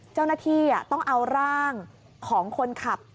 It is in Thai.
เจ้าหน้าที่ต้องเอาร่างของคนขับ